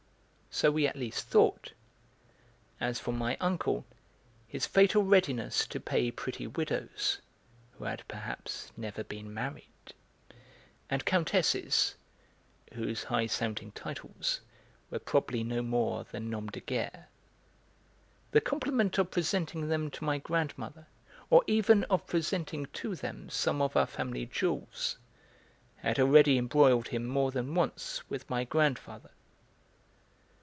So we at least thought; as for my uncle, his fatal readiness to pay pretty widows (who had perhaps never been married) and countesses (whose high sounding titles were probably no more than noms de guerre) the compliment of presenting them to my grandmother or even of presenting to them some of our family jewels, had already embroiled him more than once with my grandfather.